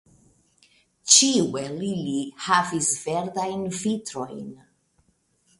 Ĉiu el ili havis verdajn vitrojn.